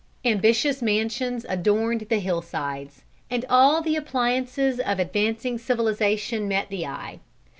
Ambitious mansions adorned the hillsides, and all the appliances of advancing civilization met the eye.